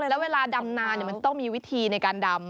แล้วเวลาดำนานมันจะต้องมีวิธีในการดำ